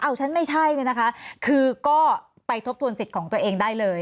อ้าวฉันไม่ใช่คือก็ไปทบทวนสิทธิ์ของตัวเองได้เลย